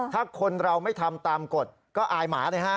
ถ้าคนเราไม่ทำตามกฎก็อายหมาเลยฮะ